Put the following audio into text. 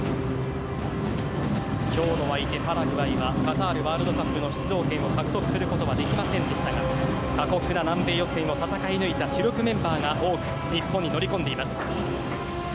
今日の相手、パラグアイはカタールワールドカップの出場権を獲得することはできませんでしたが過酷な南米予選を戦い抜いた主力メンバーが多く日本に乗り込んでいます。